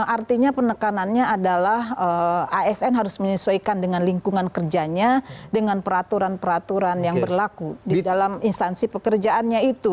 artinya penekanannya adalah asn harus menyesuaikan dengan lingkungan kerjanya dengan peraturan peraturan yang berlaku di dalam instansi pekerjaannya itu